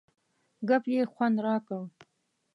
ګپ یې خوند را کړ.